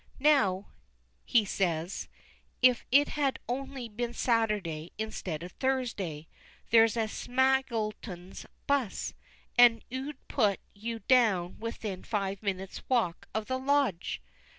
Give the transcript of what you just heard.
"Now," he says "if it had only been Saturday instead of Thursday, there is Smaggleton's 'bus, as 'ud put you down within five minutes' walk of the lodge.